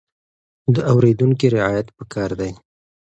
د اورېدونکي رعايت پکار دی.